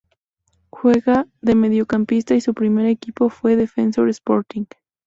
Juega de mediocampista y su primer equipo fue Defensor Sporting.